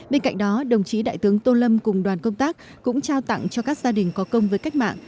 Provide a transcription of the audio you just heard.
bên cạnh đó đồng chí đại tướng tô lâm cùng đoàn công tác cũng trao tặng cho các gia đình có công với cách mạng